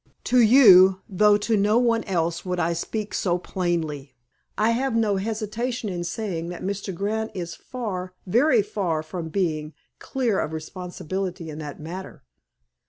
To you, though to no one else would I speak so plainly, I have no hesitation in saying that Mr. Grant is far, very far, from being clear of responsibility in that matter.